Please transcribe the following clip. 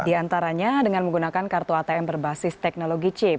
diantaranya dengan menggunakan kartu atm berbasis teknologi chip